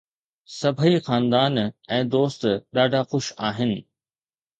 سڀئي خاندان ۽ دوست ڏاڍا خوش آهن